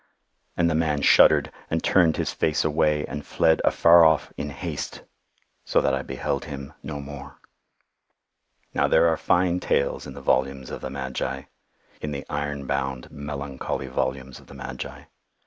And the man shuddered, and turned his face away, and fled afar off, in haste, so that I beheld him no more." Now there are fine tales in the volumes of the Magi—in the iron bound, melancholy volumes of the Magi.